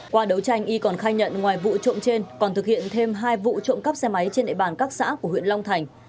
qua đấu tranh y còn khai nhận ngoài vụ trộm trên còn thực hiện thêm hai vụ trộm cắp xe máy trên địa bàn các xã của huyện long thành